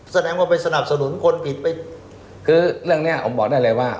แสดงว่าไปสนับสนุนคนผิดไปคือเรื่องเนี้ยผมบอกได้เลยว่า